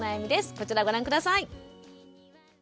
こちらご覧下さい。